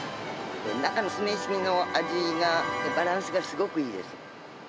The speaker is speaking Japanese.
中の酢飯の味が、バランスがすごくいいです。